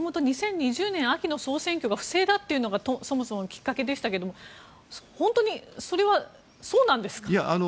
元々２０２０年秋の総選挙が不正だというのがそもそものきっかけでしたが本当にそれはそうなんですか？